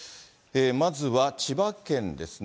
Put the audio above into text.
まずは千葉県ですね。